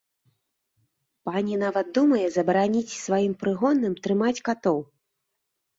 Пані нават думае забараніць сваім прыгонным трымаць катоў.